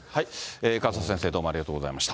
勝田先生、どうもありがとうございました。